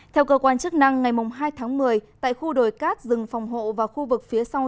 theo cơ quan chức năng ngày hai tháng một mươi tại khu đồi cát rừng phòng hộ và khu vực phía sau